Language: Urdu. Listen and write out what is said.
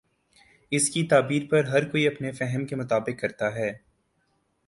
اس کی تعبیر ہر کوئی اپنے فہم کے مطابق کر تا ہے۔